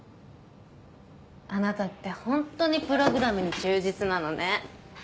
あなたってホントにプログラムに忠実なのね。